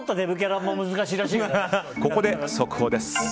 ここで速報です。